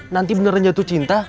nanti beneran jatuh cinta